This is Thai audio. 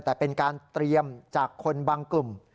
แต่เป็นการเตรียมจากคนบางกลุ่ม